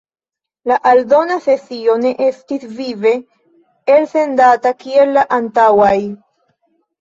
La aldona sesio ne estis vive elsendata kiel la antaŭaj.